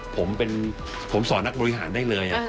ผมเป็นผมสอนนักบริหารได้เลย